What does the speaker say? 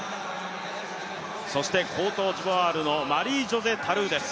そしてコートジボワールのマリージョセ・タルーです。